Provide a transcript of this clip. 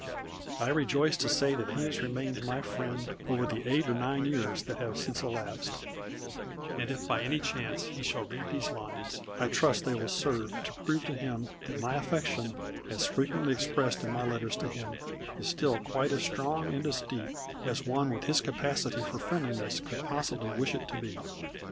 I rejoice to say that he has remained my friend over the eight or nine years that have since elapsed, and if by any chance he shall read these lines I trust they will serve to prove to him that my affection, as frequently expressed in my letters to him, is still quite as strong and as deep as one with his capacity for friendliness could possibly wish it to be.